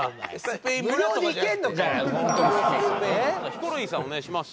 ヒコロヒーさんお願いします。